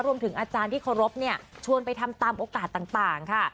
รวมถึงอาจารย์ที่เคารพเนี่ยชวนไปทำตามโอกาสต่างค่ะ